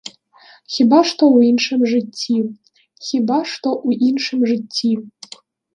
Хіба што ў іншым жыцці, хіба што ў іншым жыцці.